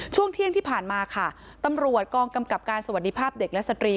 ช่วงเที่ยงที่ผ่านมาค่ะตำรวจกองกำกับการสวัสดีภาพเด็กและสตรี